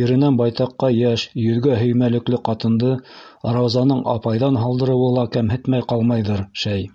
Иренән байтаҡҡа йәш, йөҙгә һөймәлекле ҡатынды Раузаның «апай»ҙан һалдырыуы ла кәмһетмәй ҡалмайҙыр, шәй.